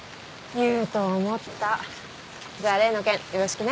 言うと思ったじゃあ例の件よろしくね。